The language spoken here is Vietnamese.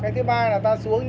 thứ ba là ta xuống